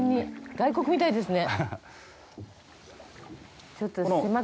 外国みたいですね。